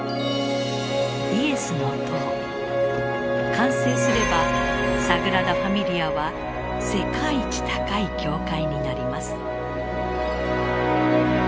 完成すればサグラダ・ファミリアは世界一高い教会になります。